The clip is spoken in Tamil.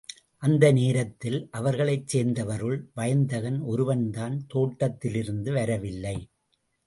அந்த நேரத்தில் அவர்களைச் சேர்ந்தவருள் வயந்தகன் ஒருவன்தான் தோட்டத்திலிருந்து வரவில்லை.